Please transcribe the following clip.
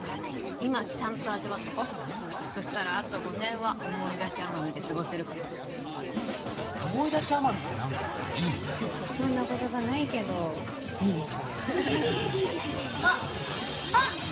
今ちゃんと味わっとこうそしたらあと５年は思い出し甘みで過ごせるから思い出し甘みって何かいいねそんな言葉ないけどいいねあっあっ！